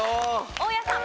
大家さん。